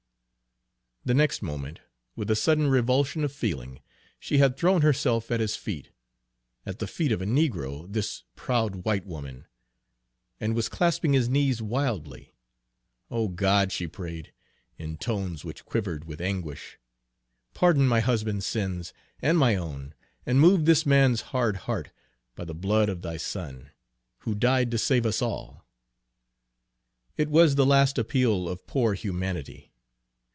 The next moment, with a sudden revulsion of feeling, she had thrown herself at his feet, at the feet of a negro, this proud white woman, and was clasping his knees wildly. "O God!" she prayed, in tones which quivered with anguish, "pardon my husband's sins, and my own, and move this man's hard heart, by the blood of thy Son, who died to save us all!" It was the last appeal of poor humanity.